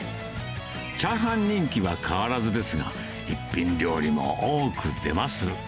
チャーハン人気は変わらずですが、一品料理も多く出ます。